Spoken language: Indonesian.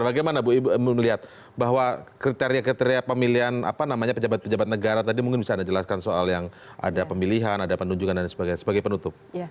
bagaimana bu ibu melihat bahwa kriteria kriteria pemilihan pejabat pejabat negara tadi mungkin bisa anda jelaskan soal yang ada pemilihan ada penunjukan dan sebagainya sebagai penutup